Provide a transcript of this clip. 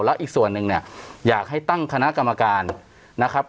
แล้วอีกส่วนหนึ่งเนี่ยอยากให้ตั้งคณะกรรมการนะครับ